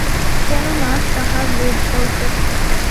কেননা, তাঁহার লোভ অল্প।